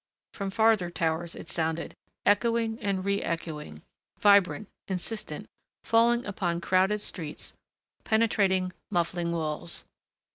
From farther towers it sounded, echoing and re echoing, vibrant, insistent, falling upon crowded streets, penetrating muffling walls.